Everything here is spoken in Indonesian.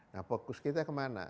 nah fokus kita kemana